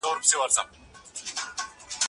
اوس به څوك د پاني پت په توره وياړي